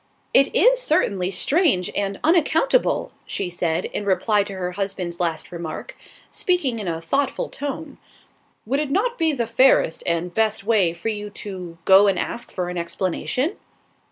"It is certainly strange and unaccountable," she said, in reply to her husband's last remark, speaking in a thoughtful tone. "Would it not be the fairest and best way for you to go and ask for an explanation?"